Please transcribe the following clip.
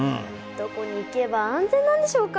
どこに行けば安全なんでしょうか。